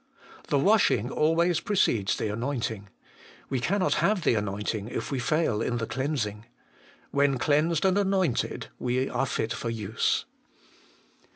2. The washing always precedes the anointing : we cannot have the anoint ing if we fail in the cleansing. When cleansed and anointed we are fit for use.